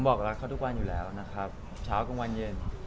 ผมบอกรักเขาตุ๊กวันอยู่แล้วนะครับทั้งเช้ากับกุร่ายชั้น